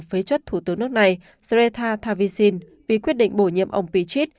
phế chất thủ tướng nước này sreta thavisin vì quyết định bổ nhiệm ông pichit